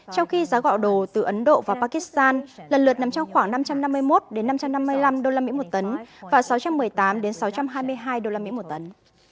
trong khi giá gạo đồ từ ấn độ và pakistan lần lượt nằm trong khoảng năm trăm năm mươi một năm trăm năm mươi năm usd một tấn và sáu trăm một mươi tám sáu trăm hai mươi hai usd một tấn